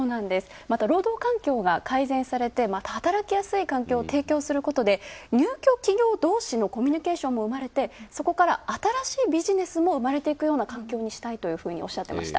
労働環境が改善されて、働きやすい環境を提供することで入居企業同士のコミュニケーションも生まれて、そこから新しいビジネスも生まれていくような環境にしたいというふうにおっしゃってました。